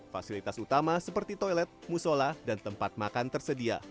fasilitas utama seperti toilet musola dan tempat makan tersedia